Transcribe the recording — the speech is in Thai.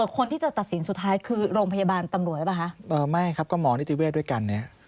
คนที่จะตัดสินสุดท้ายคือโรงพยาบาลตำรวจหรือเปล่าคะไม่ครับก็หมอนิติเวศด้วยกันเนี่ย